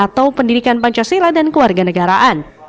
atau pendidikan pancasila dan keluarga negaraan